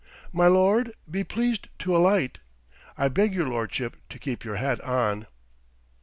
"My lord, be pleased to alight. I beg your lordship to keep your hat on."